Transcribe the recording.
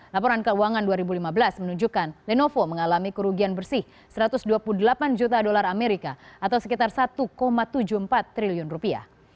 laporan keuangan dua ribu lima belas menunjukkan lenovo mengalami kerugian bersih satu ratus dua puluh delapan juta dolar amerika atau sekitar satu tujuh puluh empat triliun rupiah